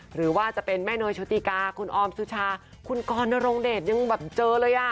หรือว่าจะเป็นแม่เนยโชติกาคุณออมสุชาคุณกรนรงเดชยังแบบเจอเลยอ่ะ